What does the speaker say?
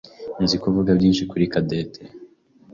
Nzi ko avuga byinshi kuri Cadette.